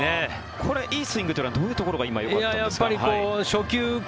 これいいスイングというのはどういうところがよかったんですか？